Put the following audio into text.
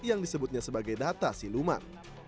yang disebutnya sebagai data siluman